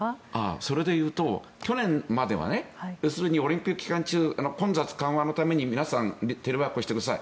それで言うと去年までは要するに、オリンピック期間中混雑緩和のために皆さんテレワークをしてください